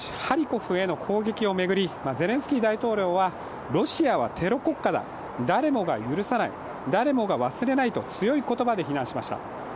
ハリコフへの攻撃を巡りゼレンスキー大統領はロシアはテロ国家だ、誰もが許さない、誰もが忘れないと強い言葉で非難しました。